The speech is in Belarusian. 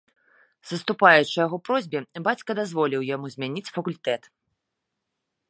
Саступаючы яго просьбе, бацька дазволіў яму змяніць факультэт.